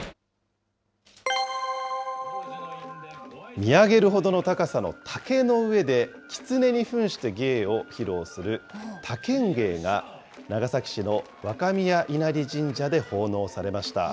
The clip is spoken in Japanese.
見上げるほどの高さの竹の上で、きつねにふんして芸を披露する竹ン芸が、長崎市の若宮稲荷神社で奉納されました。